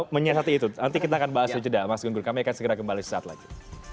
menyiasati itu nanti kita akan bahas itu juga mas gungun kami akan segera kembali suatu saat lagi